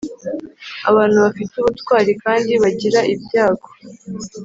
abantu bafite ubutwari kandi bagira ibyago